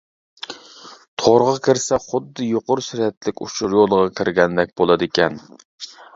تورغا كىرسە، خۇددى يۇقىرى سۈرئەتلىك ئۇچۇر يولىغا كىرگەندەك بولىدىكەن.